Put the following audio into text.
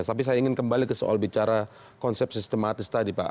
tapi saya ingin kembali ke soal bicara konsep sistematis tadi pak